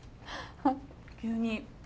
急に。